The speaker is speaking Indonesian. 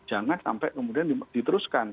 jangan sampai kemudian diteruskan